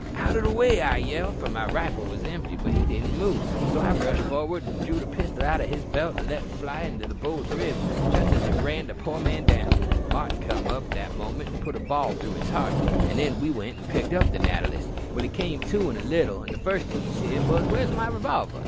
"'Out o' the way,' I yelled, for my rifle was empty; but he didn't move, so I rushed for'ard an' drew the pistol out o' his belt and let fly in the bull's ribs jist as it ran the poor man down. Martin came up that moment an' put a ball through its heart, an' then we went to pick up the natter list. He came to in a little, an' the first thing he said was, 'Where's my revolver?'